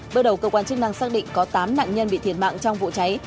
bước đầu cơ quan chức năng xác định có tám nạn nhân bị thiệt mạng trong vụ cháy